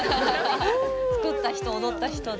作った人踊った人で。